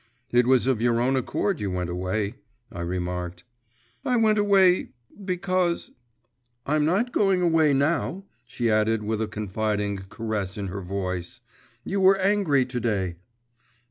'It was of your own accord you went away,' I remarked. 'I went away … because … I'm not going away now,' she added with a confiding caress in her voice. 'You were angry to day.